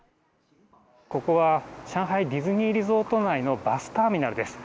ここは、上海ディズニーリゾート内のバスターミナルです。